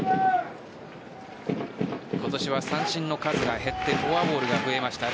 今年は三振の数が減ってフォアボールが増えました。